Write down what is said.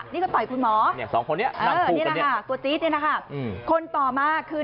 นี่ก็ต่อยคุณหมอตัวจี๊ดเนี่ยนะคะคนต่อมาคือ